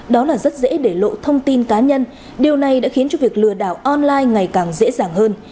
đó là rất dễ để lộ thông tin cá nhân điều này đã khiến cho việc lừa đảo online ngày càng dễ dàng hơn